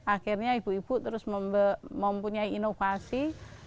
akhirnya ibu ibu terus mempunyai inovasi